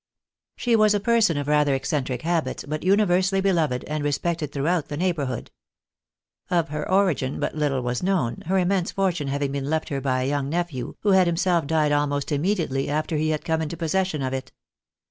She was a person of rather eccentric habits, but universally beloved and respected throughout the neighbourhood. Of her origin but little was known, her immense fortune having been left her by a young nephew, who had himself died almost immediately after he had come into possession of it.